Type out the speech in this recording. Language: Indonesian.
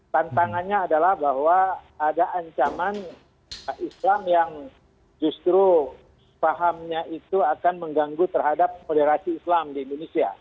tantangannya adalah bahwa ada ancaman islam yang justru pahamnya itu akan mengganggu terhadap moderasi islam di indonesia